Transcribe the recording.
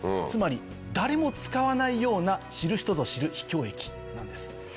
つまり誰も使わないような知る人ぞ知る秘境駅なんです。